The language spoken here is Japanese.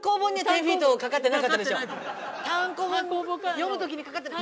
単行本読む時にかかってない。